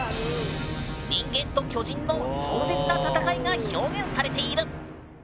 人間と巨人の壮絶な戦いが表現されている！